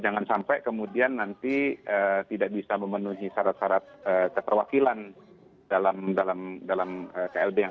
jangan sampai kemudian nanti tidak bisa memenuhi syarat syarat keterwakilan dalam klb yang